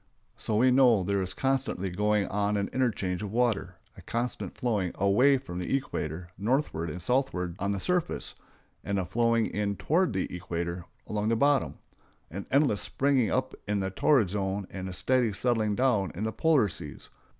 So we know there is constantly going on an interchange of water—a constant flowing away from the equator northward and southward on the surface, and a flowing in toward the equator along the bottom; an endless springing up in the torrid zone and a steady settling down in the polar seas.